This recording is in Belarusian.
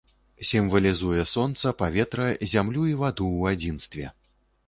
Сімвалізуе сонца, паветра, зямлю і ваду ў адзінстве.